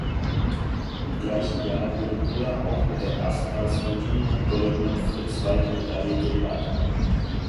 Im gleichen Jahr wurde Müller auch mit der erstmals verliehenen goldenen Fritz-Walter-Medaille geehrt.